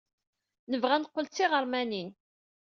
Nebɣa ad neqqel d tiɣermanin.